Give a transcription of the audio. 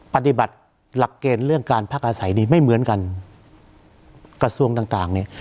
ปฏิบัติหลักเกณฑ์เรื่องการพักอาศัยดีไม่เหมือนกันกระทรวงต่างต่างเนี่ย